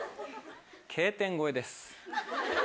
Ｋ点越えです。